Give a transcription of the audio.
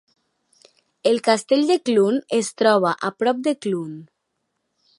El castell de Clun es troba a prop de Clun.